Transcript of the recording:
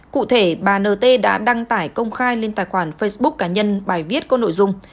cụ thể bà nt đã đăng tải công khai lên tài khoản facebook cá nhân bài viết có nội dung